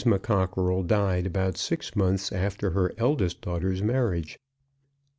McCockerell died about six months after her eldest daughter's marriage.